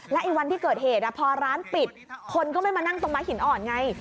ไอ้วันที่เกิดเหตุพอร้านปิดคนก็ไม่มานั่งตรงม้าหินอ่อนไง